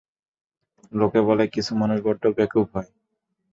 লোকে বলে কিছু মানুষ বড্ড বেকুব হয়।